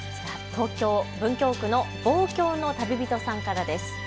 東京文京区の望郷の旅人さんからです。